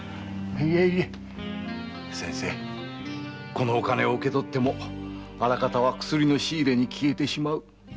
このお金を受け取ってもあらかたは薬の仕入れに消えてしまう違いますか？